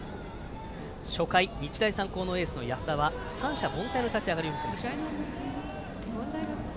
初回、日大三高エースの安田は三者凡退の立ち上がりを見せました。